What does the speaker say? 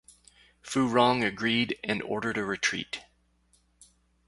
Fu Rong agreed, and ordered a retreat.